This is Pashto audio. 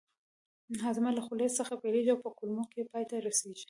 هاضمه له خولې څخه پیلیږي او په کولمو کې پای ته رسیږي